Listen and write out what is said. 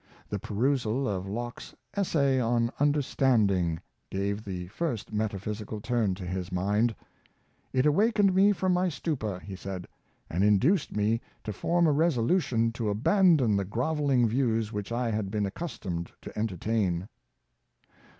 The perusal of Locke's " Essay on the Understanding " gave the first metaphysical turn to his mind. "It awakened Samuel Dreiv^ Student, 239 me from my stupor/' said he, " and induced me to form a resolution to abandon the groveling views which I had been accustomed to entertain.""